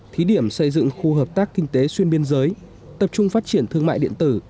thí điểm xây dựng khu hợp tác kinh tế xuyên biên giới tập trung phát triển thương mại điện tử